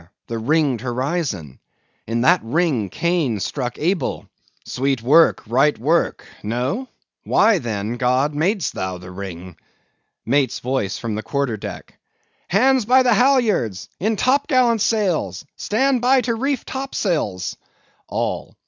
the ringed horizon. In that ring Cain struck Abel. Sweet work, right work! No? Why then, God, mad'st thou the ring? MATE'S VOICE FROM THE QUARTER DECK. Hands by the halyards! in top gallant sails! Stand by to reef topsails! ALL.